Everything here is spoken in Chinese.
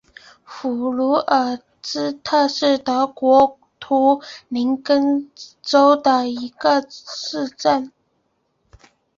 弗卢尔斯特是德国图林根州的一个市镇。